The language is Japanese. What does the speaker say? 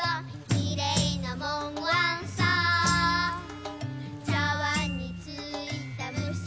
「きれいなもんごわんさ」「ちゃわんについたむしじゃろかい」